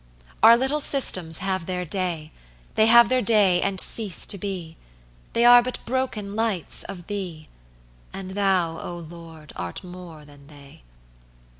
Our little systems have their day; They have their day and cease to be: They are but broken lights of thee, And thou, O Lord, art more than they.